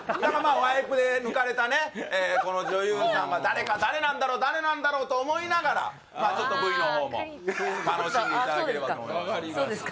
ワイプで抜かれたこの女優さんが誰か誰なんだろう誰なんだろうと思いながらちょっとＶのほうも楽しんでいただければと思いますそうですか